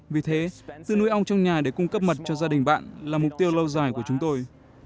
vì thế tự nuôi ong trong nhà để cung cấp mật cho gia đình bạn là mục tiêu lâu dài của chúng tôi